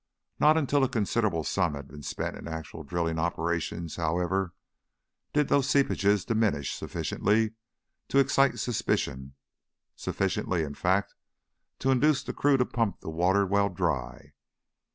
Not until a considerable sum had been spent in actual drilling operations, however, did those seepages diminish sufficiently to excite suspicion sufficiently, in fact, to induce the crew to pump the water well dry.